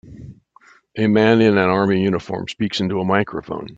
A man in an army uniform speaks into a microphone.